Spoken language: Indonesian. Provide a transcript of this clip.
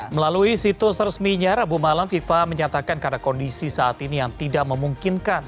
melalui situs resminya rabu malam fifa menyatakan karena kondisi saat ini yang tidak memungkinkan